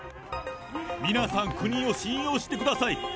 皆さん、国を信用してください。